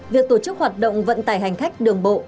việc tổ chức hoạt động vận tải hành khách đường bộ